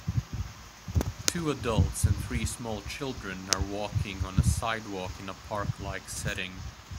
Two adults and three small children are walking on a sidewalk in a parklike setting.